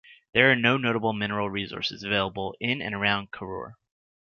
There are no notable mineral resources available in and around Karur.